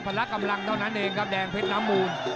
ละกำลังเท่านั้นเองครับแดงเพชรน้ำมูล